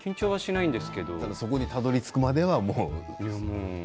そこにたどりつくまではもう。